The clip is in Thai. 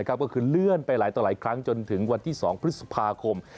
ก็คือเลื่อนไปหลายต่อหลายครั้งจนถึงวันที่๒พฤษภาคม